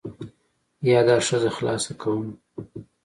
یا دا ښځه خلاصه کوم.